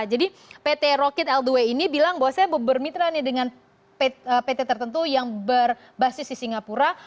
jadi pt rocket all the way ini bilang bahwa saya bermitra nih dengan pt tertentu yang berbasis di singapura